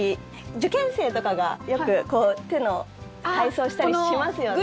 受験生とかが、よくこう手の体操したりしますよね。